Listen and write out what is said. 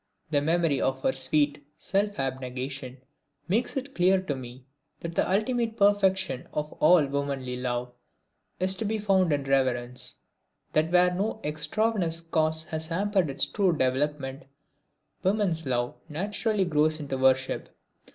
The memory of her sweet self abnegation makes it clear to me that the ultimate perfection of all womanly love is to be found in reverence; that where no extraneous cause has hampered its true development woman's love naturally grows into worship.